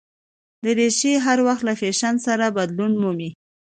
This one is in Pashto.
دریشي هر وخت له فېشن سره بدلون مومي.